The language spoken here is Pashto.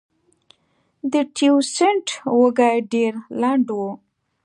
د تیوسینټ وږی ډېر لنډ و